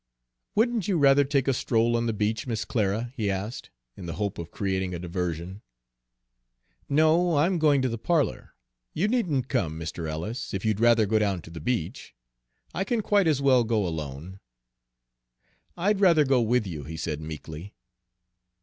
"Wouldn't you rather take a stroll on the beach, Miss Clara?" he asked, in the hope of creating a diversion. "No, I'm going to the parlor. You needn't come, Mr. Ellis, if you'd rather go down to the beach. I can quite as well go alone." "I'd rather go with you," he said meekly.